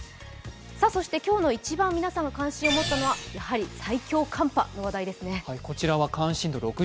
そして今日の一番、皆さんが関心を持ったのは最強寒波の話題です。